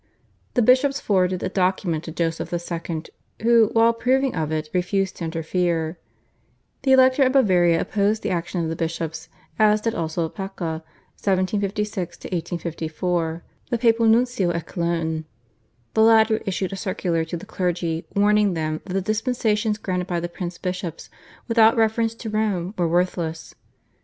The bishops forwarded a document to Joseph II., who, while approving of it, refused to interfere. The Elector of Bavaria opposed the action of the bishops as did also Pacca (1756 1854), the papal nuncio at Cologne. The latter issued a circular to the clergy warning them that the dispensations granted by the prince bishops without reference to Rome were worthless.